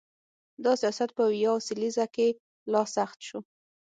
دا سیاست په ویاو لسیزه کې لا سخت شو.